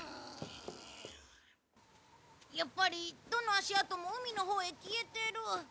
やっぱりどの足跡も海のほうへ消えてる。